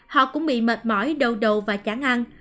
họ cũng bị mệt mỏi đau đầu và chán ăn